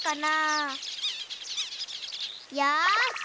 よし！